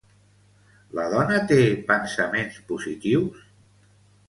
La dona té pensaments positius?